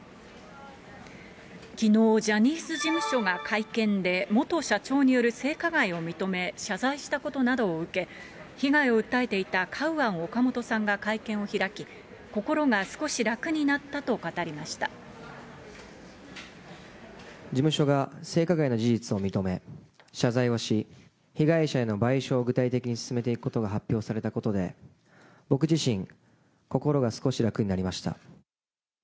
きのう、ジャニーズ事務所が会見で、元社長による性加害を認め、謝罪したことなどを受け、被害を訴えていたカウアン・オカモトさんが会見を開き、事務所が性加害の事実を認め、謝罪をし、被害者への賠償を具体的に進めていくことが発表されたことで、僕自身、心が少し楽になりました。